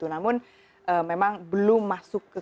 namun memang belum masuk